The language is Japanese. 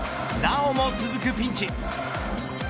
なおも続くピンチ。